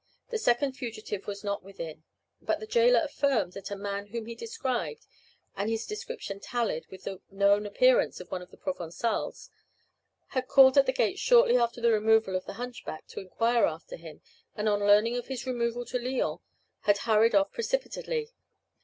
The second fugitive was not within; but the jailer affirmed that a man whom he described and his description tallied with the known appearance of one of the Provençals had called at the gate shortly after the removal of the hunchback to inquire after him, and on learning of his removal to Lyons, had hurried off precipitately.